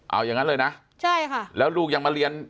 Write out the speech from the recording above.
เอาอย่างนั้นเลยนะใช่ค่ะแล้วลูกยังมาเรียน